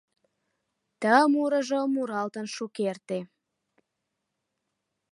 Ты мурыжо муралтын шукерте